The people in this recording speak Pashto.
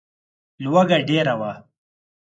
لوږه ډېره وه.